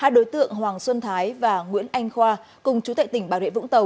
hai đối tượng hoàng xuân thái và nguyễn anh khoa cùng chủ tịch tỉnh bảo đệ vũng tàu